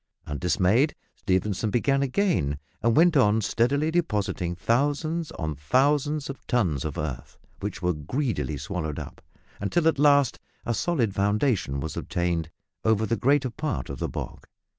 Undismayed, Stephenson began again, and went on steadily depositing thousands on thousands of tons of earth, which were greedily swallowed up, until at last a solid foundation was obtained over the greater part of the bog.